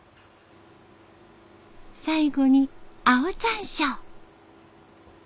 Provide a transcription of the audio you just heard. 最後に青ざんしょう。